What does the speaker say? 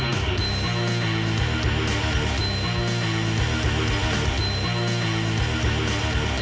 โปรดติดตามตอนต่อไป